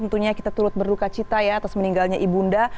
tentunya kita turut berduka cita ya atas meninggalnya ibu unda